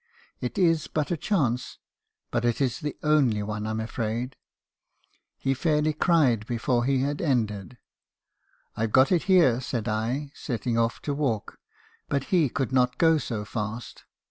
It is but a chance ; but it is the only one , I 'm afraid.' He fairly cried before he had ended. Mil 've got it here ,' said I , setting off to walk ; but he could not go so fast.